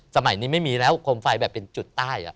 สมัยนี้ไม่มีแล้วโคมไฟแบบเป็นจุดใต้